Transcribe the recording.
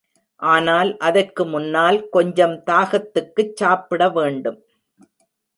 ஆனால் அதற்கு முன்னால் கொஞ்சம் தாகத்துக்குச் சாப்பிட வேண்டும்.